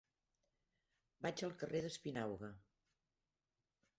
Vaig al carrer d'Espinauga.